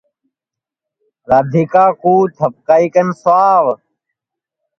رادھیکا کُو تھپکائی کن سُاو